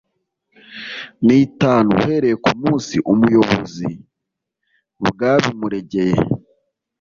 n’ itanu uhereye ku munsi umuyobozi bwabimuregeye